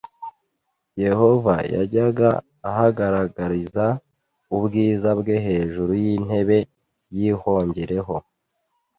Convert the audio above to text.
Yehova yajyaga ahagaragariza ubwiza bwe hejuru y'intebe y'ihongerero.